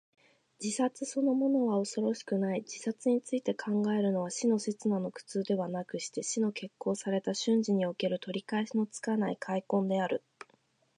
自殺そのものは恐ろしくない。自殺について考えるのは、死の刹那の苦痛ではなくして、死の決行された瞬時における、取り返しのつかない悔恨である。